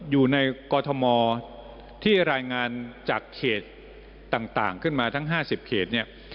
อยู่ในกรทมที่รายงานจากเขตต่างขึ้นมาทั้ง๕๐เขตเนี่ย